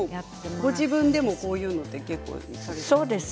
ご自分でもこういうのができるんですか。